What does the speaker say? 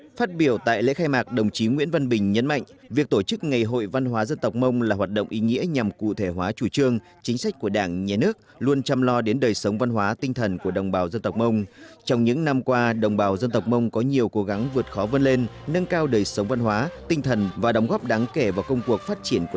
tp hcm vừa diễn ra lễ khai mạc ngày hội văn hóa dân tộc mông toàn quốc lần thứ hai đến dự có các đồng chí nguyễn văn bình ủy viên trung ương đảng phó chủ tịch nước đến dự có các đồng chí nguyễn văn bình ủy viên trung ương đảng phó chủ tịch nước